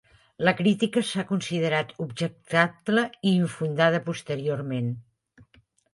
La crítica s'ha considerat objectable i infundada posteriorment.